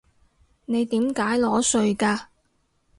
你點解裸睡㗎？